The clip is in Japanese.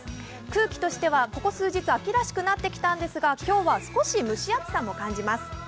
空気としてはここ数日、秋らしくなってきたんですが今日は少し蒸し暑さも感じます。